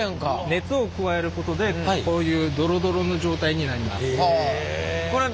熱を加えることでこういうドロドロの状態になります。